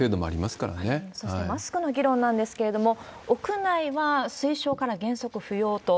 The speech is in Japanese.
そしてマスクの議論なんですけれども、屋内は推奨から原則不要と。